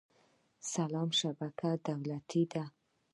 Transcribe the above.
سلام شبکه دولتي ده